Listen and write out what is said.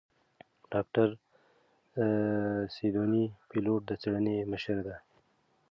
ډاکتره سیدوني بېلوت د څېړنې مشره ده.